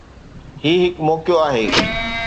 هي هڪ موقعو آهي.